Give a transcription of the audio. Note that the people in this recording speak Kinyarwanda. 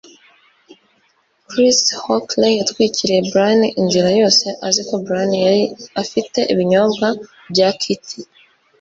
Chris Hockley yatwikiriye Brian inzira yose, azi ko Brian yari afite ibinyobwa bya kitty.